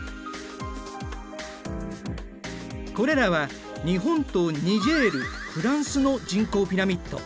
これらは日本とニジェールフランスの人口ピラミッド。